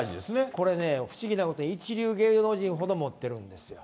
これね、不思議なことに一流芸能人ほど持ってるんですよ。